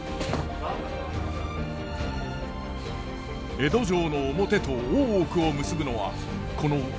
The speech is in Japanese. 江戸城の表と大奥を結ぶのはこの御鈴廊下のみ。